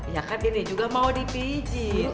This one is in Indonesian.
ya kan ini juga mau dipijin